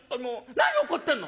何怒ってんの！」。